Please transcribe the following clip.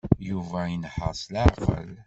Yuba inehheṛ s leɛqel.